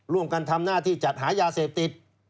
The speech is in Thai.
ร่วมกันทำหน้าที่จัดหายาเสพติด